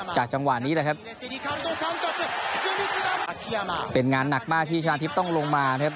จังหวะนี้แหละครับเป็นงานหนักมากที่ชนะทิพย์ต้องลงมาครับ